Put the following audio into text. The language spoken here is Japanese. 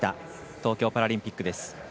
東京パラリンピックです。